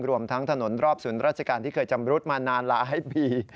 รวมทั้งถนนรอบศูนย์ราชการที่เคยจำรุดมานานหลายปี